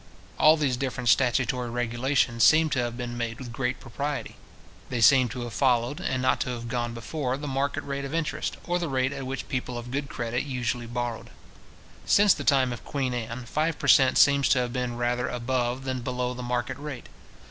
All these different statutory regulations seem to have been made with great propriety. They seem to have followed, and not to have gone before, the market rate of interest, or the rate at which people of good credit usually borrowed. Since the time of Queen Anne, five per cent. seems to have been rather above than below the market rate.